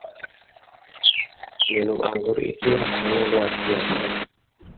Minuman anggur itu rasanya luar biasa.